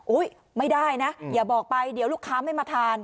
ไม่ได้นะอย่าบอกไปเดี๋ยวลูกค้าไม่มาทาน